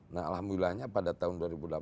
nah alhamdulillahnya pada tahun dua ribu delapan belas